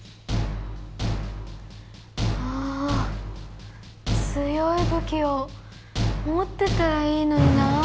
ああ強いぶきをもってたらいいのになあ。